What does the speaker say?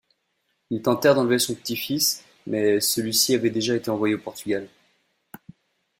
Ils tentèrent d'enlever son petit-fils, mais celui-ci avait déjà été envoyé au Portugal.